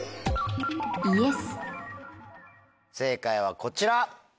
正解はこちら。